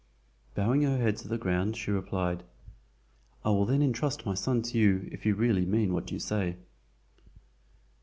Bowing her head to the ground, she replied: "I will then intrust my son to you if you really mean what you say."